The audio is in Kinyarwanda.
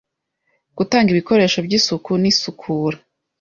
gutanga ibikoresho by’isuku n’isukura